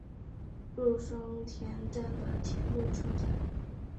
入生田站的铁路车站。